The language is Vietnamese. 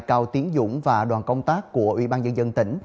cao tiến dũng và đoàn công tác của ủy ban nhân dân tỉnh